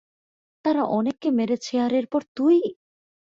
তারা অনেককে মেরেছে আর এরপর তুই!